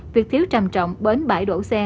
việc thiếu tràm trọng bến bại đổ xe